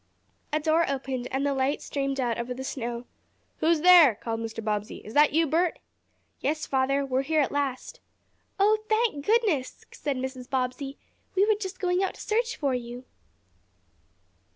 A door opened and the light streamed out over the snow. "Who is there?" called Mr. Bobbsey. "Is that you, Bert?" "Yes, father. We're here at last." "Oh, thank goodness!" said Mrs. Bobbsey. "We were just going out to search for you!"